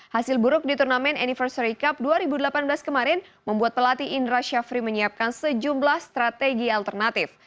hasil buruk di turnamen anniversary cup dua ribu delapan belas kemarin membuat pelatih indra syafri menyiapkan sejumlah strategi alternatif